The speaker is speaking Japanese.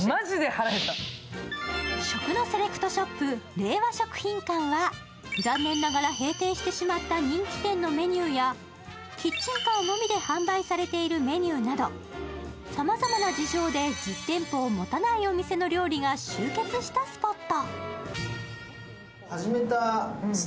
令和食品館は、残念ながら閉店してしまった人気店のメニューやキッチンカーのみで販売されているメニューなど、さまざまな事情で実店舗をお店のメニューが集結したスポット。